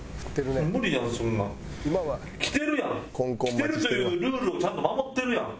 着てるというルールをちゃんと守ってるやん。